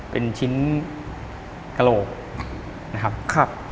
เป็นชิ้นกะโหลนะครับครับ